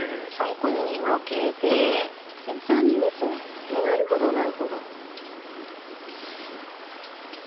３つに分けてなるほどなるほど。